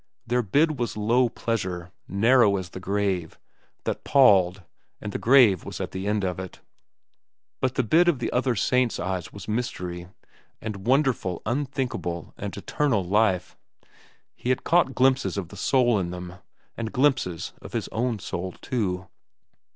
Their bid was low pleasure, narrow as the grave, that palled, and the grave was at the end of it. But the bid of the saint's eyes was mystery, and wonder unthinkable, and eternal life. He had caught glimpses of the soul in them, and glimpses of his own soul, too.